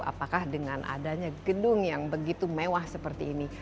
apakah dengan adanya gedung yang begitu mewah seperti ini